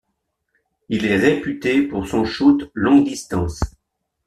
Il est réputé pour son shoot longue distance.